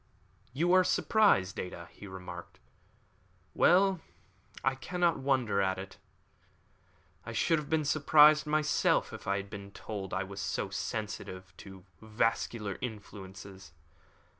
"You are surprised, Ada," he remarked. "Well, I cannot wonder at it. I should have been surprised myself if I had been told that I was so sensitive to vascular influences.